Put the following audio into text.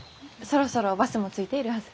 そろそろバスも着いているはず。